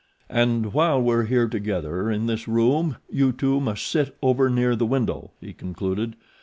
"And while we're here together in this room you two must sit over near the window," he concluded.